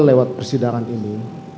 lewat persidangan ini